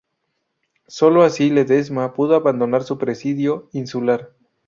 Solo así Ledesma pudo abandonar su presidio insular.